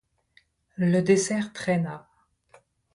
Le dessert traîna.